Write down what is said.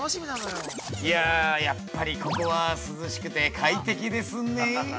◆いやー、やっぱりここは涼しくて快適ですねえ。